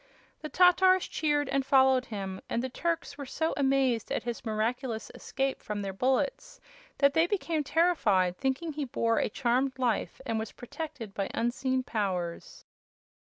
The Tatars cheered and followed him, and the Turks were so amazed at his miraculous escape from their bullets that they became terrified, thinking he bore a charmed life and was protected by unseen powers.